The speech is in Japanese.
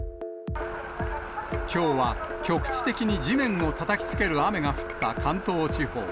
きょうは局地的に地面をたたきつける雨が降った関東地方。